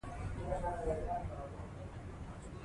ټرمینالوژي د یوه لغات د ډېرو ماناوو سره سر او کار لري.